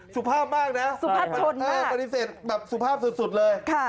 สุภาพมากนะปฏิเสธแบบสุภาพสุดเลย